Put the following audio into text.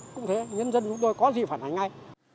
cũng thế nhân dân chúng tôi có gì phản ánh ngay